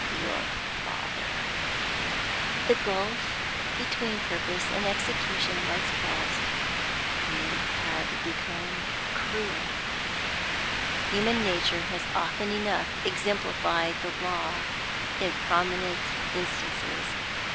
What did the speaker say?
'Your father ' The gulf between purpose and execution once passed, he had become cruel; human nature has often enough exemplified the law in prominent instances.